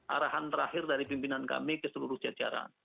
arahan terakhir dari pimpinan kami ke seluruh jajaran